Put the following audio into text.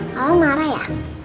papa marah ya